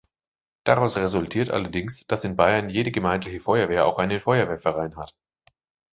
Daraus resultiert allerdings, dass in Bayern jede gemeindliche Feuerwehr auch einen Feuerwehrverein hat.